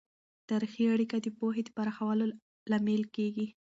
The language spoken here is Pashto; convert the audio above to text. تاریخي اړیکه د پوهې د پراخولو لامل کیږي.